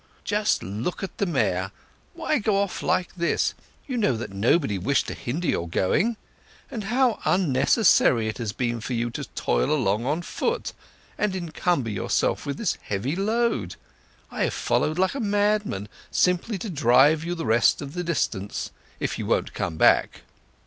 Just look at the mare. Why go off like this? You know that nobody wished to hinder your going. And how unnecessary it has been for you to toil along on foot, and encumber yourself with this heavy load! I have followed like a madman, simply to drive you the rest of the distance, if you won't come back."